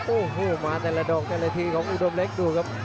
โอ้โหมาแต่ละดอกแต่ละทีของอุดมเล็กดูครับ